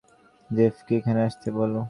জেফকে এখানে আসতে বল।